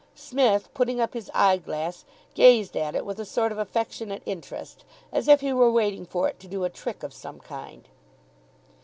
Psmith, putting up his eyeglass, gazed at it with a sort of affectionate interest, as if he were waiting for it to do a trick of some kind.